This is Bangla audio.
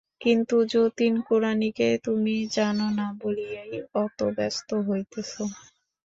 কিন্তু যতীন, কুড়ানিকে তুমি জান না বলিয়াই অত ব্যস্ত হইতেছ।